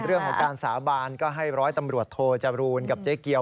เรื่องของการสาบานก็ให้ร้อยตำรวจโทจรูนกับเจ๊เกียว